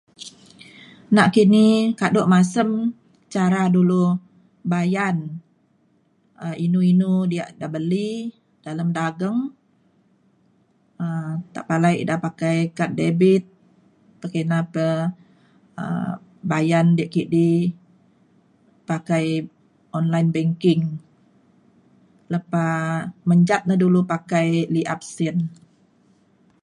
nakini kado masem cara dulu bayan um inu inu diak da beli dalem dageng um tepalai ida pakai kad debit pekina pe um bayan diak kidi pakai online banking. lepa menjap na dulu pakai liap sin.